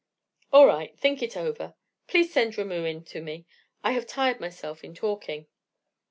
"All right; think it over. Please send Ramoo in to me; I have tired myself in talking."